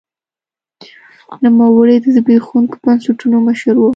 نوموړي د زبېښونکو بنسټونو مشر و.